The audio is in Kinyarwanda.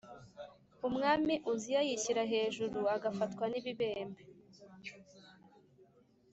Umwami Uziya yishyira hejuru agafatwa n ibibembe